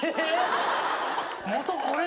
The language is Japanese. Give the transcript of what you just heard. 元これで！？